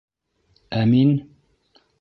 Әмин?